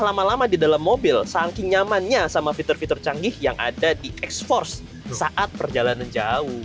lama lama di dalam mobil saking nyamannya sama fitur fitur canggih yang ada di exforce saat perjalanan jauh